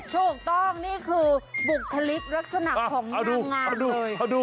ถูกต้องนี่คือบุคลิกลักษณะของโรงงาน